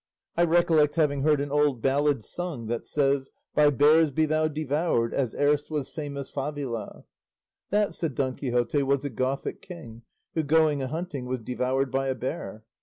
I recollect having heard an old ballad sung that says, By bears be thou devoured, as erst Was famous Favila." "That," said Don Quixote, "was a Gothic king, who, going a hunting, was devoured by a bear."